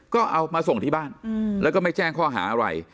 ก็เอามาส่งที่บ้านแล้วก็ไม่แจ้งข้อหาอะไร